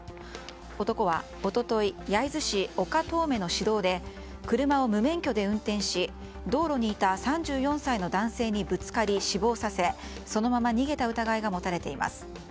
男は一昨日焼津市岡当目の市道で車を無免許で運転し道路にいた３４歳の男性にぶつかり、死亡させ、そのまま逃げた疑いが持たれています。